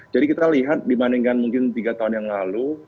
jadi kita lihat dibandingkan mungkin tiga tahun yang lalu